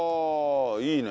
いいね！